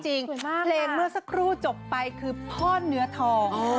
เพลงเมื่อสักครู่จบไปคือพ่อเนื้อทอง